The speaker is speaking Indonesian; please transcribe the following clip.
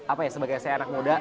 apa ya sebagai saya anak muda